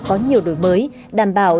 có nhiều đổi mới đảm bảo